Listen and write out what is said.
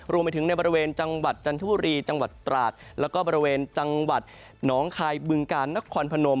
รวมไปถึงในบริเวณจังหวัดจันทบุรีจังหวัดตราดแล้วก็บริเวณจังหวัดหนองคายบึงกาลนครพนม